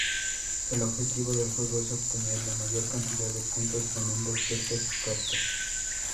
El objetivo del juego es obtener la mayor cantidad de puntos ganando ciertas cartas.